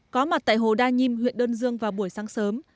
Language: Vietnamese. có mặt tại hồ đa nhim huyện đơn dương vào buổi sáng sớm